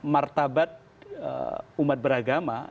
martabat umat beragama